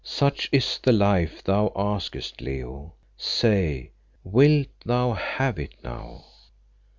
"Such is the life thou askest, Leo. Say, wilt thou have it now?"